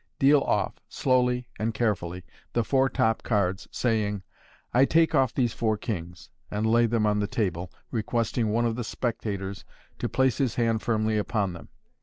Deal off, slowly and carefully, the four top cards, saying, " I take off these four kings," and lay them on the table, requesting one of the spectators $t> place his hand firmly upon them.